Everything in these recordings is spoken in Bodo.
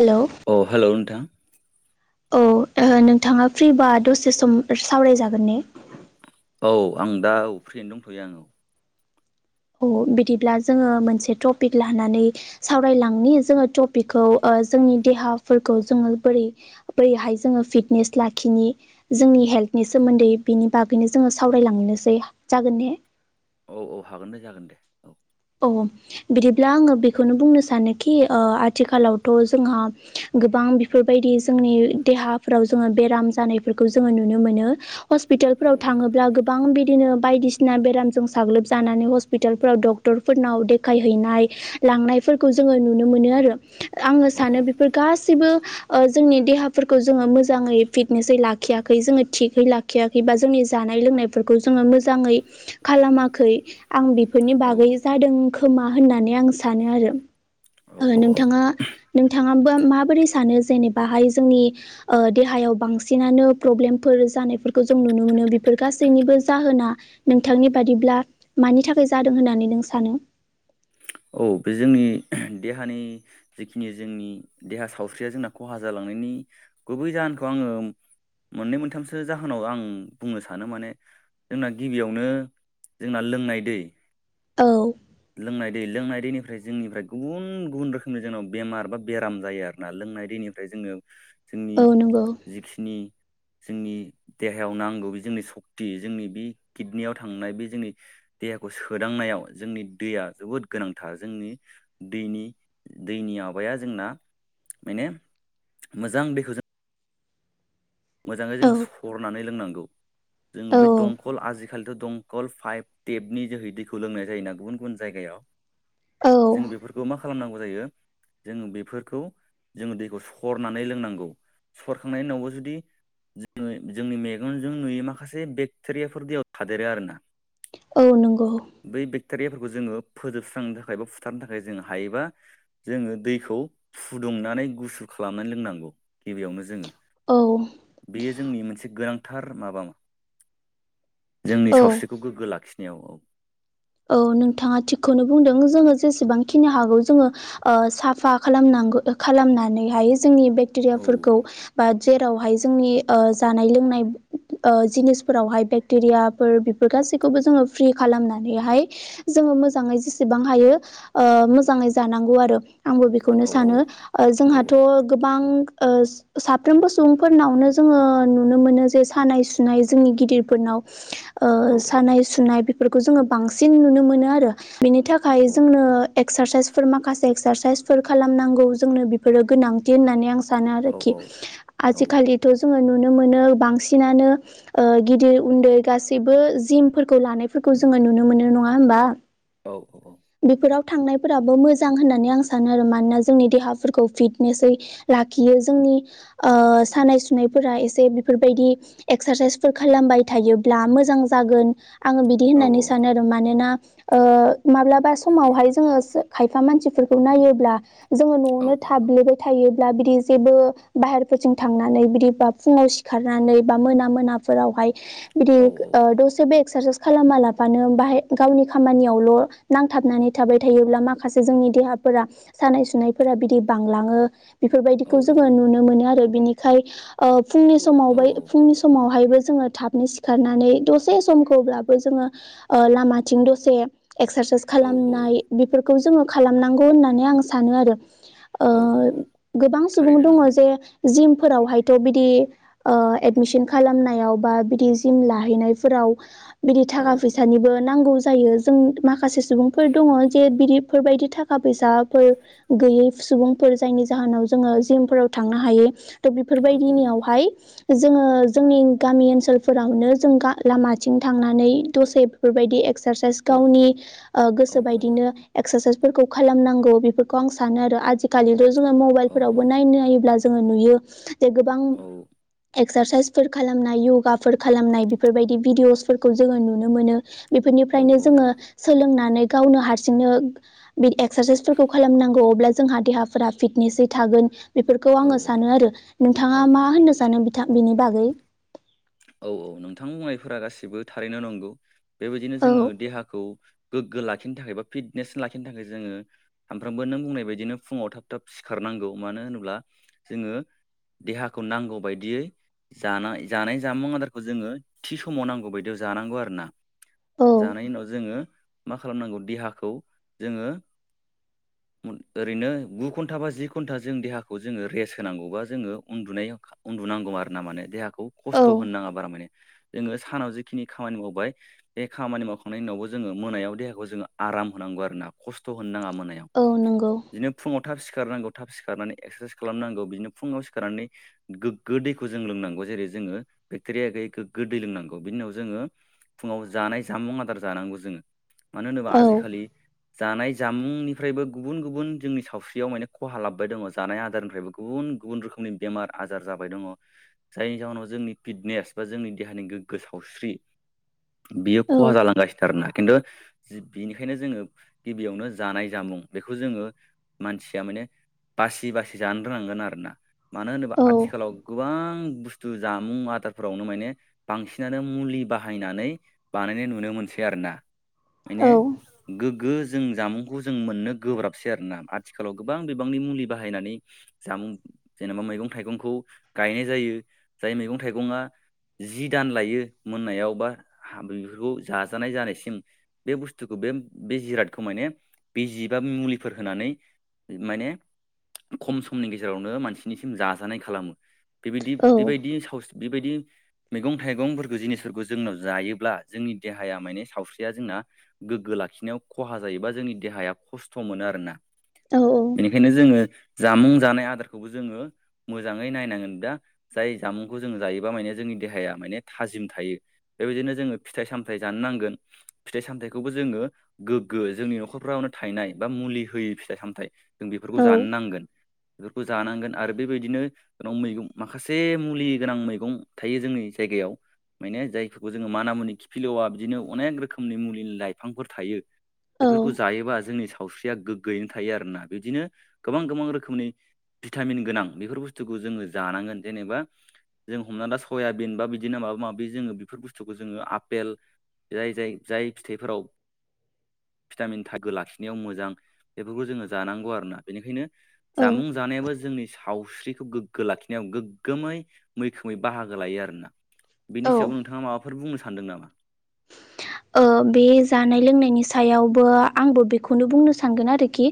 हेलौ अ हेल' नोंथां औ नोंथाङा फ्रिबा दसे सम सावरायजागोन ने औ आं दा औ फ्रियैनो दंथ'यो आं औ अ बिदिब्ला जोङो मोनसे टपिक लानानै सावरायलांनि जोङो टपिकखौ जोंनि देहाफोरखौ जों बोरै बोरैहाय जोङो फिटनेसन लाखिनि जोंनि हेल्थनि सोमोन्दै बिनि बागैनो जोङो सावरायलांनोसै जागोन दे औ औ हागोन दे जागोन दे औ औ बिदिब्ला आङो बेखौनो बुंनो सानोखि आथिखालावथ' जोंहा गोबां आं बेफोरबायदि जोंनि देहाफ्राव जोङो बेराम जानायफोरखौ जोङो नुनो मोनो औ हस्पिटालफोराव थाङोब्ला गोबां बिदिनो बायदिसिना बेरामजों साग्लोबजानानै हस्पिटालफोराव डक्ट डक्टरफोरनाव देखायहैनाय लांनायफोरखौ जोङो नुनो मोनो आरो। आङो औ सानो बेफोर गासैबो जोंनि देहाफोरखौ जोङो मोजाङै फिटनेसै लाखियाखै। जोङो थिगै लाखियै। बा जोंनि जानाय लोंनायफोरखौ जोङो मोजाङै खालामाखै। आं बेफोरनि औ बागै जादों खोमा होननानै आं सानो आरो। औ औ औ नोंथाङा नोंथाङाबो माबोरै सानो जेनेबाहाय जोंनि देहायाव बांसिनानो प्रब्लेमफोर जानायफोरखौ जों नुनो मोन बेफोर गासैनिबो जाहोना नोंथांनि बादिब्ला मानि थाखाय जादों होननानै नो आं सानो। औ। बे जोंनि देहानि जिखिनि जोंनि देहा सावस्रिया जोंना खहा जालांनायनि गुबै जाहोनखौ आङो मोननै मोनथामसो जाहोनाव आं बुंनो सानो माने जोंना गिबियावनो जोंना लोंनाय दै औ। लोंनाय दै लोंनाय दैनिफ्राय जोंनिफ्राय गुबुन गुबुन रोखोमनि जोंनाव बेमार बा बेराम जायो। आरोना लों नाय दैनिफ्राय जोङो जोंनि औ नंगौ जिखिनि जोंनि देहायाव नांगौ बे जोंनि सक्ति जोंनि बे किडनियाव थांनाय बे जोंनि देहाखौ सोदांनायाव जोंनि दैया जोबोद गोनांथार। जोंनि दैनि दैनि माबाया जोंना माने मोजां बेखौ जों मोजाङै औ जोङो सरनानै लोंनांगौ। जोङो औ बे दंखल आजिखालिथ' दंखल फाइभ टेपनि जोहै दैखौ लोंनाय जायोना गुबुन गुबुन जायगायाव औ जों बेफोरखौ मा खालामनांगौ जायो जों बेफोरखौ जोङो दैखौ सरनानै लोंनांगौसरखांनायनि उनावबो जुदि जोङो जोंनि मेगनजों नुयो माखासे बेक्टेरियाफोर दैयाव थादेरो आरोना? औ नंगौ। बे बेक्टेरिया जोङो फोजोबस्रांनो थाखाय बा फुथारनो थाखाय जोङो हायोबा जोङो दैखौ फुुंदुं नानै गुसुर खालामनानै लोंनांगौ गिबियावनो जोङो। औ। बेयो जोंनि मोनसे गोनांथार माबा? मा जोंनि औ सावस्रिखौ गोग्गो लाखिनो याव औ। औ नोंथाङा थिगखौनो बुंदों। जोङो जेसेबां खिनो हागौ जोङो साफा खालामना खालामनानै हायो। जोंनि बेक्टेरियाफोरखौ औ बा जेरावहाय जोंनि ओ जानाय लोंनाय ओ जिनिसफोरावहाय बेक्टेरियाफोर बेफोर गासैखौबो जोङो फ्रि खालामनानै हाय जोङो मोजाङै जेसेबां हायो ओ मोजाङै जानांगौ आरो। आंबो बेखौनो औ सानो ओ औ जोंहाथ' गोबां ओ साफ्रोमबो सुबुंफोरनावनो जोङो नुनो मोनो जे सानाय सुनाय जोंनि गिदिरफोरनाव। औ ओ सानाय सुनाय बेफोरखौ जोङो बांसिन नुनो मोनो आरो। बिनि थाखाय औ जोंनो एक्सारसाइस माखासे एक्सारसाइसफोर खालामनांगौ जोंनो बेफोरो गोनांथि होननानै आं सानो औ आरोखि। औ आजिखालिथ' जोङो नुनोमोनो। बांसिनानो ओ गिदिर उन्दै गासिबो जिमफोरखौ फोरखौ जोङो नुनो मोनो नङा होमबा? औ औ औ। बेफोराव थांनायफोराबो मोजां होन्नानै आं सानो आरो। मानोना जोंनि देहाफोरखौ फिटनेसै लाखियो। जों नि ओ सानाय सुनायफोरा एसे बेफोरबायदि एक्सारसाइसफोर खालामबाय थायोब्ला मोजां जागोन आं बिदि होननानै सा मानोना ओ माब्लाबा समावहाय जोङो खायफा मानसिफोरखौ नायोब्ला जोङो औ न'आवनो थाब्लेबाय थायो। बिदि जेबो बाहेरफोरजों थांनानै बिदि बा फुङाव सिखारनानै बा मोना मोनाफोराव [unintelligible] लाबानो बाहाय गावनि खामानियावल' नांथाबनानै थाबाय थायोब्ला माखासे जोंनि देहाफोरा सानाय सुनायफोरा बिदि बांलाङो। बेफोरबायदिखौ जोङो नुनो मोनो आरो बिनिखाय ओ फुंनि समाव बै फुंनि समावहायबो जोङो थाबनै सिखारनानै दसे समखौब्लाबो जोङो लामाथिं दसे एक्सारसाइस औ खालामनाय बेफोरखौ जोङो खालामनांगौ होननानै आं सानो आरो। ओ औ औ गोबां सुबुं थारैनो दङ नंगौ जे जिम फोरावहायथ' बिदि ओ एदमिसन खालामनायाव बा बिदि जिम लाहैनायफोराव बिदि औ थाखा फैसानिबो नांगौ जायो जों माखासे सुबुंफोर दङ जे बिदिफोरबायदि थाखा फैसाफोर गैयै सुबुंफोर जायनि जाहोनाव जोङो जिमफोराव थांनो हायै त' औ बेफोरबायदिनियावहाय जोङो जोंनि गामि ओनसोलफोरावनो जों लामाथिं थांनानै दसे बेफोरबायदि एक्सारसाइस औ गावनि ओ औ गोसो औ बायदिनो एक्सारसाइस फोरखौ खालामनांगौ बेफोरखौ आं सानो आरो आजिखालिथ' जोङो मबाइल औ फोरावबो नायनो नायोब्ला जोङो नुयो जे गोबां औ एक्सारसाइसफोर खालामनाय यगा फोर खालामनाय बेफोरबायदि भिडिअसफोरखौ जोङो नुनो मोनो। औ बेफोरनिफ्रायनो जोङो सोलोंनानै गावनो हारसिंनो बे एक्सारसाइसफोरखौ खालामनांगौ अब्ला जोंहा देहाफोरा फिटनेसै था थागोन बेफोरखौ औ आङो सानो आरो। औ नोंथाङा मा होननो सानो बिनि बागै? औ औ नोंथां बुंनायफोरा गासिबो थारैनो नंगौ बेबायदिनो औ जोङो देहाखौ गोग्गो लाखिनो थाखाय बा फिटनेस लािनो थाखाय जोङो सामफ्रामबो नों बुंनाय बायदिनो फुङाव थाब थाब सिखारनांगौ। मानो होनोब्ला जोङो देहाखौ नांगौ बादियै जानाय-जानाय जामुं आदारखौ जोङो थि समाव नांगौ बायदियाव जानांगौ आरो ना औ जानायनि उनाव जोङो मा खालामनांगौ देहाखौ जोङो [inaudible] ओरैनो गु घन्टा बा जि घन्टा जों देहाखौ जोङो रेस्ट होनांगौ बा जोङो उन्दुनाय उन्दु नांगौ आरो ना माने देहाखौ औ खस्थ' होनो नाङा बारा माने जोङो सानाव जिखिनि खामानि मावबाय बे खामानि मावखांनायनि उनावबो जोङो मोनायाव देहाखौ जोङो आराम होनांगौ। नंगौ आरोना खस्थ होनाङा मोनायाव औ नंगौ बिदिनो फुंङाव थाब सिखारनांगौ थाब सिखारनानै एक्सारसाइस खालामनांगौ बिदिनो फुङाव सिखारनानै गोग्गो दैखौ जों लोंनांगौ जेरै जोङो बेक्टेरिया गैयै गोग्गो दै लोंनांगौ बिनि उनाव जोङो फुङाव जानाय जामुं आदार जानांगौ जोङो। मानो होनोबा औ आजिखालि जानाय जामुंनिफ्रायबो गुबुन गुबुन जोंनि सावस्रियाव माने खहा लाबोबाय दङ जानाय आदारनिफ्रायबो गुबुन गुबुन रोखोम मनि बेमार आजार जाबाय दङ जायनि जाहनाव जोंनि फिटनेस बा जोंनि देहानि गोग्गो सावस्रि बियो खहा जालांगासिनो द आरोना। खिन्थु बिनिखायनो जोङो गिबियावनो जानाय जामुं बेखौ जोङो मानसिया माने बासि बासि जानो रोंनांगोन आरोना। मानो होनोबा औ आथिखालाव गोबां बुस्थु जामुं आ फोरावनो माने बांसिनानो मुलि बाहायनानै बानायनाय नुनो मोनसै आरोना। माने औ गोग्गो जों जामुंखौ जों मोननो गोब्राबसै आरोना आथिखालाव गोबां बिबांनि मुलि बाहायनानै जामुं जेनेबा मैगं थाइगंखौ गायनाय जायो जाय मैगं थाइगङा जि दान लायो मोननायाव बा बेफोरखौ जाजानाय जानायसिम बे बुस्थुखौ बे बे जिरादखौ माने बिज जिबा मुलिफोर होनानै माने खम समनि गेजेरावनो मानसिनिसिम जाजानाय खालामो बेबायदि औ बेबायदि सावस्रि बेबायदि मैगं थाइगंफोरखौ जिनिसफोरखौ जोंनाव जायोब्ला जोंनि देहाया माने सावस्रिया जोंना गोग्गो लाखिनायाव खहा जायोबा जोंनि देहाया खस्थ' मोनो आरोना। औ बेनिखायनो जोङो जामुं जानाय आदारखौबो जोङो मोजाङै नायनांगोन दा जाय जामुं खौ जोङो जायोबा माने जोंनि देहाया माने थाजिम थायो बेबायदिनो जोङो फिथाइ सामथाय जानो नांगोन फिथाइ सामथायाइखौबो जोङो गोग्गो जोंनि न'खरफ्रावनो थायनाय बा मुलि होयि फिथाइ सामथाइ जों बेफोरखौ औ जानो नांगोन बेफोरखौ जानांगोन आरो बेबायदिनो जोंनाव मैगं माखासे मुलि गोनां मैगं थायो जोंनि जायगायाव माने जायफोरखौ जोङो माना मुनि खिफिलवा बिदिनो अनेक रोखोमनि मुलिनि लाइफांफोर थायो औ बेफोरखौ जायोबा जोंनि सावस्रिया गोग्गोयैनो थायो आरोना बिदिनो गोबां गोबां रोखोमनि भिटामिन गोनां बेफोर बुस्थुखौ जोङो जानांगोन जेनेबा जों हमनानै दा सयाबिन बा बिदिनो माबा माबि जोङो बेफोर बुस्थुखौ जोङो आफपेल जाय जाय जाय फिथाइफोराव भिटामिन थाखागो लाखिनायाव मोजां बेफोरखौ जोङो जानांगौ आरोना बेनिखायनो औ जामुं जानायाबो जोंनि सावस्रिखौ गोग्गो लाखिनायाव गोग्गोमै मैखोमै बाहागो लायो आरोना बिनि औ सायाव नोंथाङा माबाफोर बुंनो सानदों नामा? ओ बे जानाय लोंनायनि सायावबो आंबो बेखौनो बुंनो सानगोन आरोखि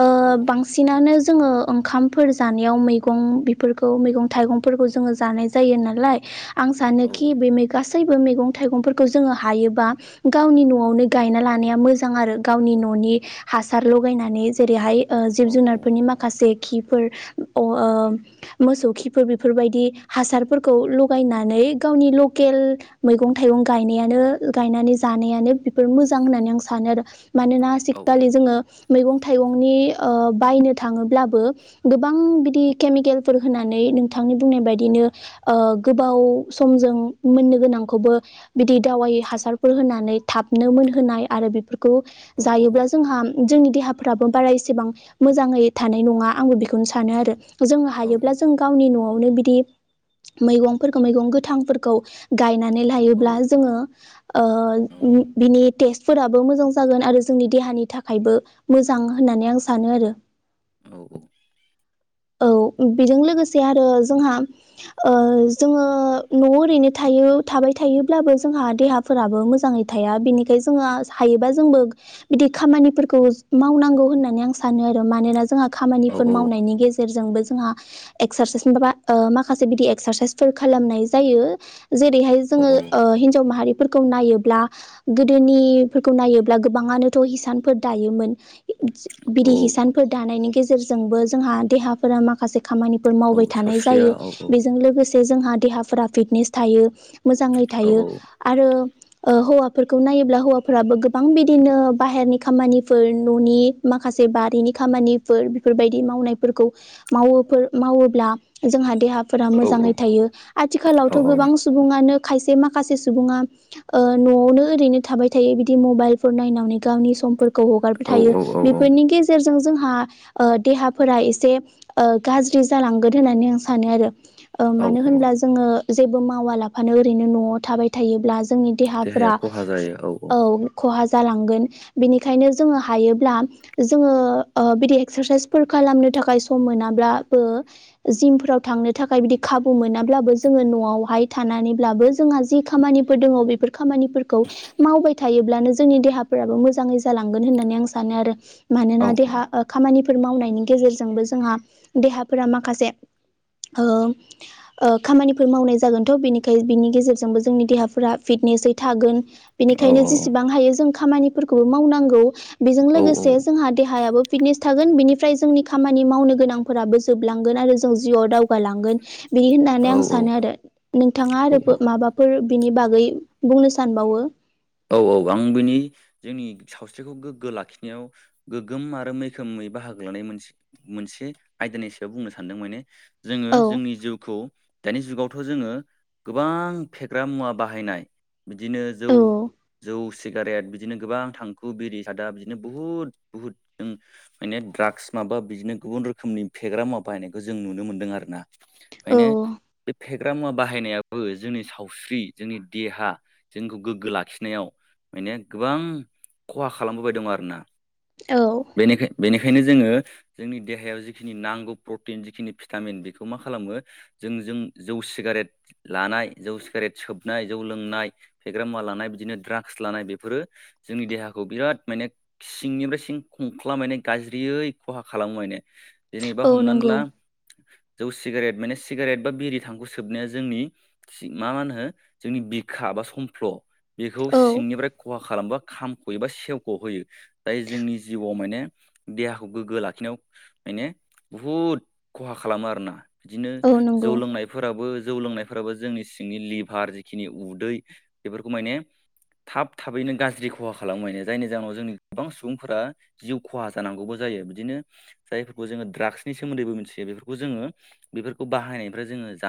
ओ औ बांसिनानो जोङो ओंखामफोर जानायाव मैगं बेफोरखौ मैगं थाइगंफोरखौ जोङो जानाय जायो नालाय आं औ सानोखि बे गासैबो मैगं थाइगंफोरखौ जोङो हायोबा गावनि नवावनो गायना लानाया मोजां आरो गावनि न'नि हासार लगायनानै जेरैहाय ओ जिब औ औ जुनारफोरनि माखासे खिफोर अ ओ मोसौ खिफोर बेफोरबायदि हासारफोरखौ लगायनानै बे गावनि लकेल मैगं थाइगं गायनायानो गायनानै जानायानो बेफोर मोजां होननानै आं सानो आरो मानोना औ आजिखालि जोङो मैगं थाइगंनि ओ बायनो थाङोब्लाबो गोबां बिदि केमिकेलफोर होनानै नोंथांनि बुंनाय बायदिनो ओ गोबाव समजों मोननो गोनांखौबो बिदि दावै हासारफोर होनानै थाबनो मोनहोनाय आरो बेफोरखौ औ जायोब्ला जोंहा जोंनि देहाफ्राबो बारा एसेबां मोजाङै थानाय नङा आंबो बेखौनो सानो आरो। जों औ हायोब्ला जों गावनि न'आव न आवनो बिदि मैगंफोरखौ मैगं गोथां फोरखौ गायना नानै लायोब्ला जोंङो ओ बिनि टेस फोराबो मोजां जागोन आरो जोंनि देहानि थाखायबो मोजां होननानै आं सानो आरो। औ औ। औ बेजों लोगोसे आरो जोंहा ओ जोङो न'आव ओरैनो थायो। यो थाबाय थायोब्लाबो जोंहा देहाफोराबो मोजाङै थाया बिनिखाय जोङो हायोबा जोंबो बिदि खामानिफोरखौ मावनांगौ होननानै आं सानो आरो मानोना जोंहा खामानिफोर मावनायनि गेजेर जोंबो जोंहा इकस्रासायसबा ओ माखासे बिदि इकस्रासायसबो खालामनाय जायो। जेरैहाय जोङो औ ओ हिनजाव माहारिफोर खौ नायोब्ला गोदोनिफोरखौ नायोब्ला गोबाङानोथ' हिसानफोर दायोमोन। औ बिरि हिसानफोर दानायनि गेजेरजोंबो जोंहा देहाफोरा माखासे खामानिफोर औ मावबाय थानाय सावस्रिया जायो औ औ बेजों लोगोसे जोंहा देहाफोरा फिटनेस थायो। मोजाङै औ थायो आरो ओ हौवाफोरखौ नायोब्ला हौवाफोराबो गोबां बिदिनो बाहेरनि खामानिफोर न'नि माखासे से बारिनि खामानि [unintelligible] बेफोरबायदि मावनायफोरखौ मावोफोर मावोब्ला जोंहा देहाफोरा औ औ मोजाङै थायो औ आथिखालावथ' गोबां सुबुंङनो खायसे माखासे सुबुंङा ओ न'आवनो ओरैनो थाबाय थायो बिदि मबाइलफोर नायनानै गावनि समफोर खौ हगारबाय औ थायो औ औ बेफोरनि गेजेरजों जोंहा ओ देहा फोरा एसे ओ गाज्रि जालांगोन होननानै आं सानो आरो ओ औ मानो औ होनब्ला जोङो जेबो मावालाफानो ओरैनो न'आव थाबाय थायोब्ला जोंनि देहाया देहाफोरा खहा जायो औ खहा जालांगोन बिनिखायनो जोंयो हायोब्ला जोंङो बिदि [unintelligible] खालामनो थाखाय सम मोनाब्लाबो जिमफोराव थांनो थाखाय बिदि खाबु मोनाब्लाबो जोङो न'आवहाय थानानैब्लाबो जोंहा जि खामानिफोर दङ बेफोर खामानिफोरखौ मावबाय थायोब्लानो जोंनि देहाफोराबो मोजाङै जालांगोन होननानै आं सानो आरो औ मानोना देहा खामानिफोर मावनायनि गेजेरजोंबो जोंहा देहाफोरा माखासे ओ ओ खामानिफोर मावनाय जागोनथ' बेनिखाय बिनि गेजेरजोंबो जोंनि देहाफोरा फिट नेसै थागोन औ बेनिखायनो जेसेबां हायो जों खामानिफोरखौबो मावनांगौ। बेजों औ लोगोसे औ जोंहा देहायाबो फिटनेस थागोन बेनिफ्राय जोंनि खामानि मावनो गोनांफोराबो जोबलांगोन आरो जों जिउआव दावगालांगोन। बि होननानै औ आं औ सानो आरो। नोंथाङा औ आरो माबाफोर बिनि बागै बुंनो सानबावो? औ औ आं बिनि जोंनि सावस्रिखौ गोग्गो लाखिनायाव गोग्गोम आरो मैखोमै बाहागो लानाय मोनसे मोनसे आयदानि सायाव बुंनो सानदों माने जोङो औ जोंनि जिउखौ दानि जुगावथ' जोङो गोबां फेग्रा मुवा बाहायनाय बिदिनो जौ औ जौ सिगारेट बिदिनो गोबां थांखु बिरि सादा बिदिनो बुहुद बुहुद जों ड्रागस माबा बिदिनो गुबुन रोखोमनि फेग्रा मुवा बाहायनायखौ जों नुनो मोनदों आरो ना औ माने बे फेग्रा मुवा बाहायनायाबो जोंनि सावस्रि जोंनि देहा जोंखौ गोग्गो लाखि नायाव माने गोबां खहा खालामबोबाय दं आरोना। औ बेनि बेनिखायनो जों जोङो जोंनि देहायाव जिखनि नांगौ प्रटिन जिखिनि भिटामिन बेखौ मा खालामो जों जों जौ सिगारेट लानाय जौ सिगारेट सोबनाय जौ लोंनाय फेग्रा मुवा लानाय बिदिनो द्राग [unintelligible] लानाय बेफोरो जोंनि देहाखौ बिराद माने सिंनिफ्राय सिं खुंख्ला मे गाज्रियै खहा खालामो माने जेनेबा औ हमनानै नंगौ ला जौ सिगारेट माने सिगारेट बा बिरि थांखु सोबनाया जोंनि मा मा होनो जोंनि बिखा बा समफ्ल। बेखौ औ सिंनिफ्राय खहा खालामोबा खामखयोबा एबा सेवख होयो दायो जोंनि जिउआव माने देहाखौ गोग्गो लाखिनायाव माने बुहुद खहा खालामो आरोना बिदिनो औ जौ नंगौ लोंनायफोराबो जौ लोंनायफोराबो जोंनि सिंनि लिभार जिखिनि उदै बेफोरखौ माने थाब थाबैनो गाज्रि खहा खालामबायनो जायनि जाहोनाव जोंनि गोबां सुबुंफोरा जिउ खहा जानांगौबो जायो बिदिनो जायफोरखौ जोङो दड्राग्सनि सोमोन्दैबो मिथियो बेफोरखौ जोङो बेफोरखौ बाहायनायनिफ्राय जोङो जा